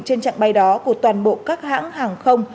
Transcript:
trên trạng bay đó của toàn bộ các hãng hàng không